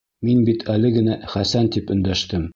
Мин бит әле генә «Хәсән» тип өндәштем.